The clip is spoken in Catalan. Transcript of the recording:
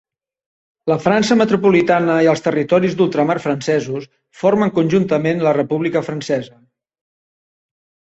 La França metropolitana i els territoris d'ultramar francesos formen conjuntament la República Francesa.